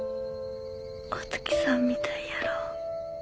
お月さんみたいやろ。